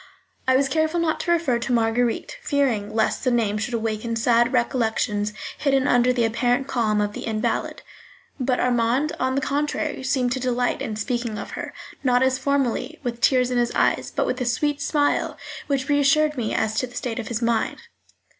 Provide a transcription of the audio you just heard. I was careful not to refer to Marguerite, fearing lest the name should awaken sad recollections hidden under the apparent calm of the invalid; but Armand, on the contrary, seemed to delight in speaking of her, not as formerly, with tears in his eyes, but with a sweet smile which reassured me as to the state of his mind.